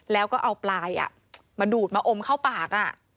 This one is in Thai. แล้วก็เอาปลายมาดูดมาอมเข้าปาก